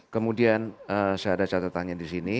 kemudian saya ada catatannya di sini